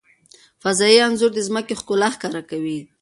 فضايي انځور د ځمکې ښکلا ښکاره کوي.